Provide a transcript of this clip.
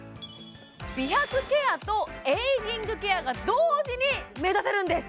美白ケアとエイジングケアが同時に目指せるんですそれ